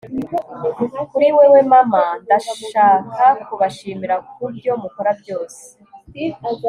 kuri wewe mama, ndashaka kubashimira kubyo mukora byose